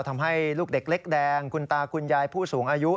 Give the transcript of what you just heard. ทำให้ลูกเด็กเล็กแดงคุณตาคุณยายผู้สูงอายุ